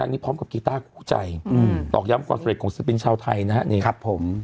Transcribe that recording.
ตอบย้ำความสำเร็จของศิลปินชาวไทยนะครับ